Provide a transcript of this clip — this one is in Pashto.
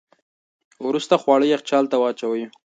وروسته خواړه یخچال ته واچوئ.